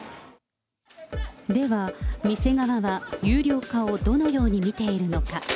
では、店側は有料化をどのように見ているのか。